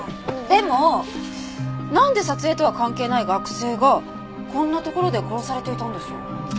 でもなんで撮影とは関係ない学生がこんな所で殺されていたんでしょう？